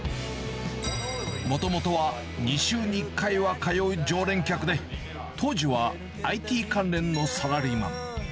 もともとは２週に１回は通う常連客で、当時はＩＴ関連のサラリーマン。